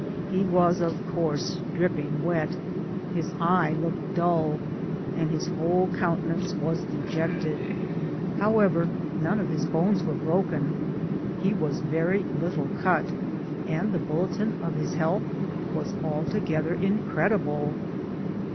He, was of course, dripping wet ; his eye looked dull, and his whole countenance was dejected : how ever, none of his bones were broken, he was very Digitized byGoogk THB GREAT CORDILLERA. 159 little cut, and the bulletin of his health was alto , gether incredible.